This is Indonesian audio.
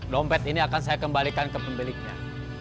dompet ini akan saya kembalikan ke pemiliknya